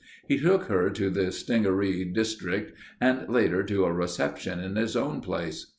He took her to the Stingaree district and later to a reception in his own place.